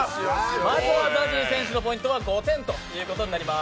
まずはＺＡＺＹ選手のポイントは５点ということになります。